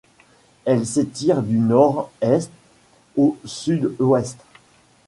Elle s’étire du nord est au sud ouest.